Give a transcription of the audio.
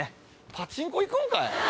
パチンコ行くんかい！